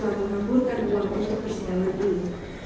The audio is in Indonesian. dan mengamburkan dua orang tua persidangan ini